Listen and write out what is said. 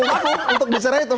untuk diserah itu